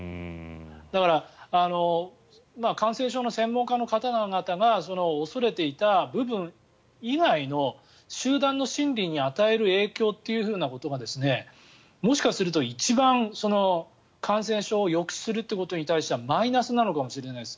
だから、感染症の専門家の方々が恐れていた部分以外の集団の心理に与える影響ということがもしかすると一番、感染症を抑止するということに対してはマイナスなのかもしれないです。